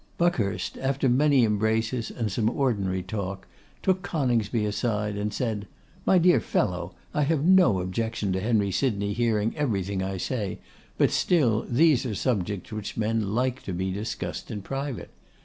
Buckhurst, after many embraces and some ordinary talk, took Coningsby aside, and said, 'My dear fellow, I have no objection to Henry Sydney hearing everything I say, but still these are subjects which men like to be discussed in private.